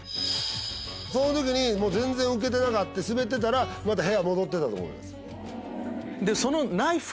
その時に全然ウケてなかってスベってたらまた部屋戻ってたと思います。